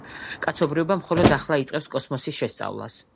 კაცობრიობა მხოლოდ ახლა იწყებს კოსმოსის შესწავლას.